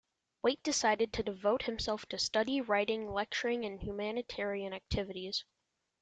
Waite decided to devote himself to study, writing, lecturing and humanitarian activities.